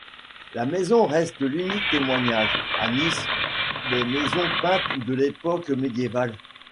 La maison reste l'unique témoignage, à Nice, des maisons peintes de l'époque médiévale.